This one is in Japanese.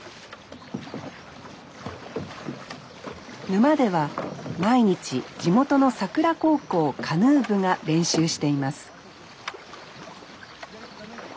沼では毎日地元の佐倉高校カヌー部が練習しています